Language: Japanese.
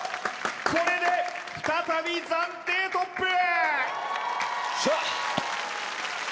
これで再び暫定トップ！